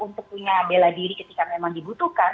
untuk punya bela diri ketika memang dibutuhkan